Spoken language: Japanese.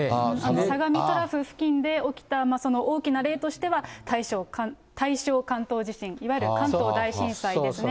相模トラフ付近で起きた大きな例としては、大正関東地震、いわゆる関東大地震ですね。